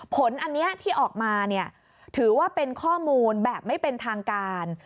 ผลอันนี้ที่ออกมาเนี่ยถือว่าเป็นข้อมูลแบบไม่เป็นทางการ